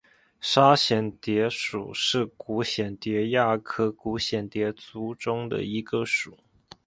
沙蚬蝶属是古蚬蝶亚科古蚬蝶族中的一个属。